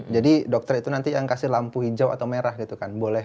dokter itu nanti yang kasih lampu hijau atau merah gitu kan